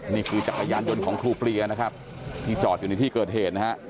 จักรยานยนต์ของครูปรียนะครับที่จอดอยู่ในที่เกิดเหตุนะฮะ